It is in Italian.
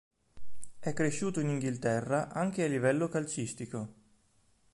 È cresciuto in Inghilterra anche a livello calcistico.